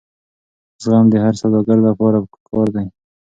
زغم د هر سوداګر لپاره پکار دی.